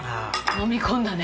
飲み込んだね。